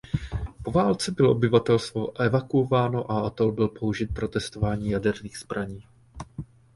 Po válce bylo obyvatelstvo evakuováno a atol byl použit pro testování jaderných zbraní.